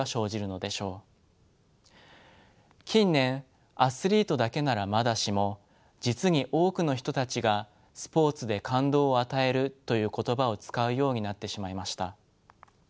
近年アスリートだけならまだしも実に多くの人たちが「スポーツで感動を与える」という言葉を使うようになってしまいました。